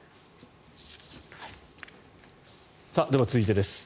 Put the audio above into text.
では、続いてです。